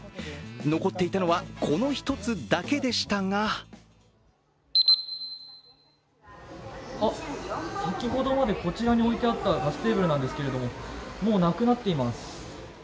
残っていたのは、この１つだけでしたがあ、先ほどまでこちらに置いてあったガステーブルなんですけれども、もうなくなっています。